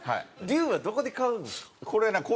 「龍」はどこで買うんですか？